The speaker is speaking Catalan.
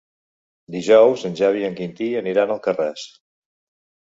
Dijous en Xavi i en Quintí aniran a Alcarràs.